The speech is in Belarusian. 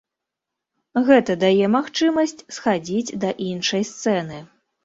Гэта дае магчымасць схадзіць да іншай сцэны.